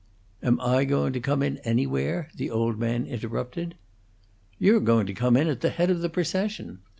"Am I going to come in anywhere?" the old man interrupted. "You're going to come in at the head of the procession!